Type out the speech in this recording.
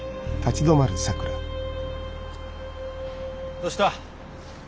どうした？